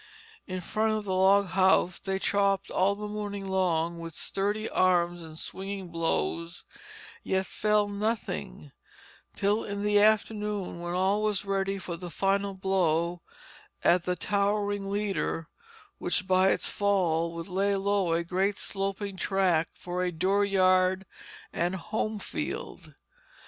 In front of the log house they chopped all the morning long with sturdy arms and swinging blows, yet felled nothing, till in the afternoon when all was ready for the final blow at the towering leader, which by its fall should lay low a great sloping tract for a dooryard and home field.